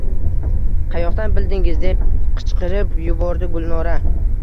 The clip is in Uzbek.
— Qayoqdan bildingiz?! — deb qichqirib yubordi Gulnora.